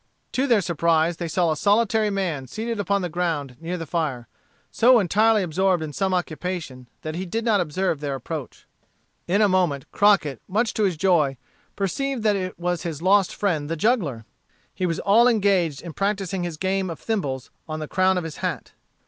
To their surprise they saw a solitary man seated upon the ground near the fire, so entirely absorbed in some occupation that he did not observe their approach. In a moment, Crockett, much to his joy, perceived that it was his lost friend the juggler. He was all engaged in practising his game of thimbles on the crown of his hat.